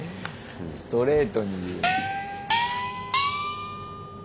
ストレートに言う。